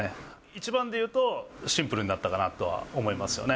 一番で言うと、シンプルになったかなとは思いますよね。